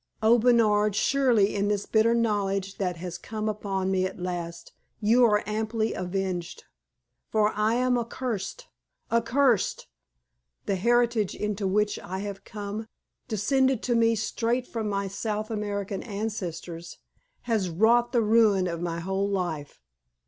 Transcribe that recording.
Oh, Bernard, surely, in this bitter knowledge that has come upon me at last, you are amply avenged! for I am accursed accursed! The heritage into which I have come descended to me straight from my South American ancestors has wrought the ruin of my whole life.